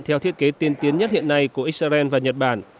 theo thiết kế tiên tiến nhất hiện nay của israel và nhật bản